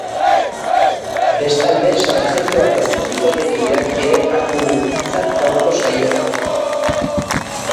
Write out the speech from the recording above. Bestalde, sarjentuaren bikotekideak ere hartu du hitza gaurko saioan.